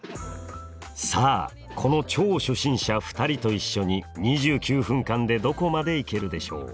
さあこの超初心者２人と一緒に２９分間でどこまでいけるでしょう？